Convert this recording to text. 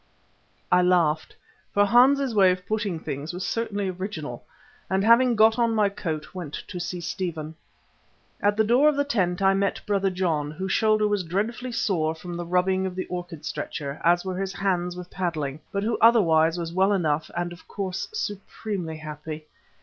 I laughed, for Hans's way of putting things was certainly original, and having got on my coat, went to see Stephen. At the door of the tent I met Brother John, whose shoulder was dreadfully sore from the rubbing of the orchid stretcher, as were his hands with paddling, but who otherwise was well enough and of course supremely happy.